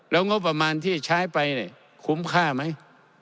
แล้วงบประมาณที่ใช้ไปเนี่ยคุ้มค่าไหม